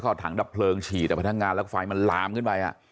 ลุกไหม้แล้วก็ถังดับเผลิงฉีดออกไปทางงานแล้วไฟล์มันลามขึ้นไป